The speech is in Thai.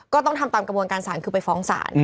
ก็ต้องทำตามกระบวนการศาลคือไปฟ้องศาล